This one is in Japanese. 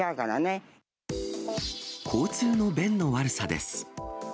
交通の便の悪さです。